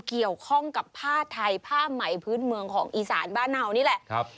เกี่ยวข้องกับผ้าไทยผ้าใหม่พื้นเมืองของอีสานบ้านเนานี่แหละครับ